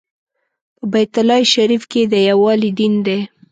په بیت الله شریف کې د یووالي دین دی.